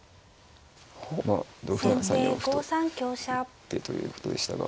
まあ同歩なら３四歩と打ってということでしたが。